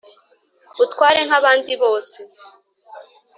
utware nk'abandi bose.'